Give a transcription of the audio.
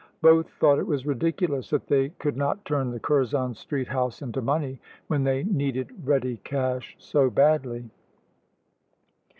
Both thought it was ridiculous that they could not turn the Curzon Street house into money, when they needed ready cash so badly.